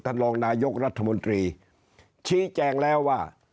รองนายกรัฐมนตรีชี้แจงแล้วว่า